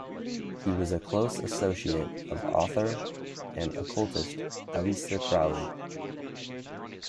He was a close associate of author and occultist Aleister Crowley.